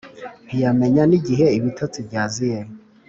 ntiyamenya nigihe ibitotsi byaziye.